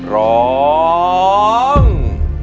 ร้อง